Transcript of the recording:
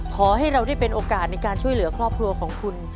ขอให้เราได้เป็นโอกาสในการช่วยเหลือครอบครัวของคุณ